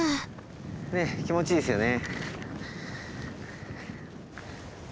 ねえ気持ちいいですよね。